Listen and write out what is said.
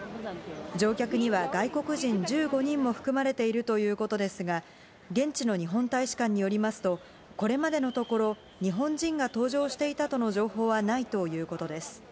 乗客には外国人１５人も含まれているということですが、現地の日本大使館によりますと、これまでのところ、日本人が搭乗していたとの情報はないということです。